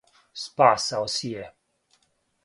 Спасао си је.